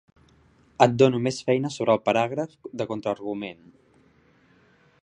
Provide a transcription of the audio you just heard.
Et dono més feina sobre el paràgraf de contraargument.